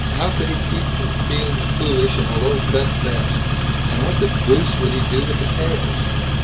How could he keep from feeling foolish in a low cut vest, and what the deuce would he do with the tails?